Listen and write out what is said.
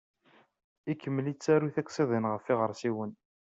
Ikemmel yettaru tiqsiḍin ɣef yiɣersiwen.